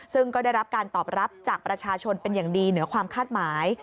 ซึ่งก็ได้รับการตอบรับจากประชาชนเป็นอย่างดีเหนือความคาดหมาย